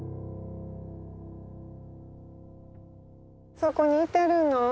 そこにいてるの？